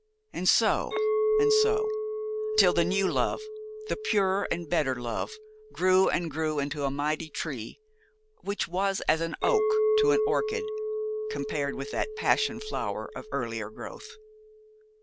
And so, and so, till the new love, the purer and better love, grew and grew into a mighty tree, which was as an oak to an orchid, compared with that passion flower of earlier growth.